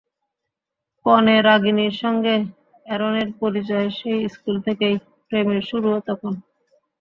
কনে রাগিনীর সঙ্গে অ্যারনের পরিচয় সেই স্কুল থেকেই, প্রেমের শুরুও তখন।